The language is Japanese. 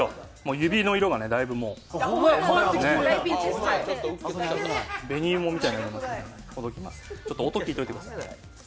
指の色がだいぶ紅芋みたいに、ほどきましょう、ちょっと音、聞いておいてください